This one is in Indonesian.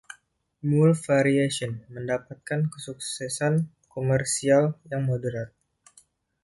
"Mule Variations" mendapatkan kesuksesan komersial yang moderat.